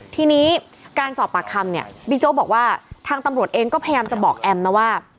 ทีนี้การสอบปากคำเนี่ยบิ๊กโจ๊กบอกว่าทางตำรวจเองก็พยายามจะบอกแอมนะว่า